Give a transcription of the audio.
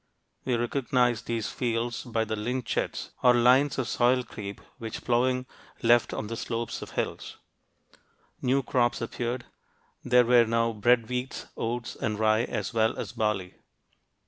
We recognize these fields by the "lynchets" or lines of soil creep which plowing left on the slopes of hills. New crops appeared; there were now bread wheat, oats, and rye, as well as barley.